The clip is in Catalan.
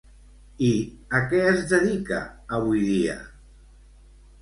I a què es dedica avui dia?